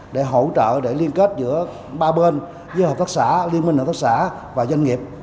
để hỗ trợ để liên kết giữa ba bên với hợp tác xã liên minh hợp tác xã và doanh nghiệp